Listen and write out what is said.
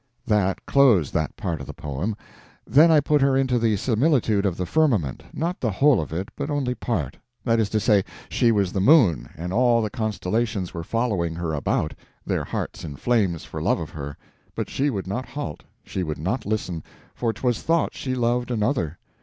That closed that part of the poem; then I put her into the similitude of the firmament—not the whole of it, but only part. That is to say, she was the moon, and all the constellations were following her about, their hearts in flames for love of her, but she would not halt, she would not listen, for 'twas thought she loved another.